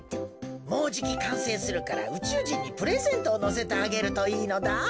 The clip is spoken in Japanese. もうじきかんせいするからうちゅうじんにプレゼントをのせてあげるといいのだ。